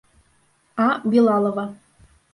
А. БИЛАЛОВА.